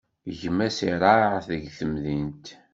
Gma-s iraε deg temdint.